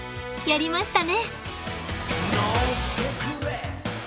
やりましたね！